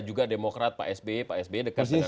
juga demokrat pak sbe pak sbe dekat dengan